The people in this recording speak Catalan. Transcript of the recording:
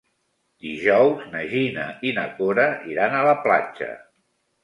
Dijous na Gina i na Cora iran a la platja.